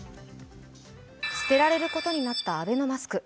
捨てられることになったアベノマスク。